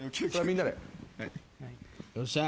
よっしゃ。